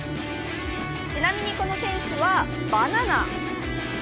ちなみにこの選手はバナナ。